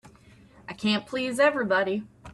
I can't please everybody.